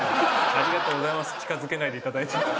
ありがとうございます近づけないでいただいて。